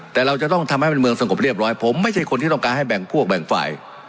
แต่เราจะต้องทำให้มันเมืองสงบเรียบร้อยผมไม่ใช่คนที่ต้องการให้แบ่งพวกแบ่งฝ่าย